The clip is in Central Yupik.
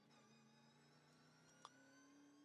makuaq